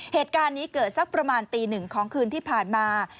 เหตุการณ์นี้เกิดสักประมาณตีหนึ่งของคืนที่ผ่านมา